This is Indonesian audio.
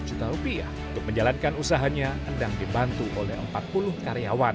untuk menjalankan usahanya andang dibantu oleh empat puluh karyawan